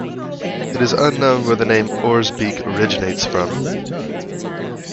It is unknown where the name Oirsbeek originates from.